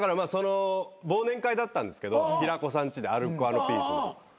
忘年会だったんですけど平子さんちでアルコ＆ピースの。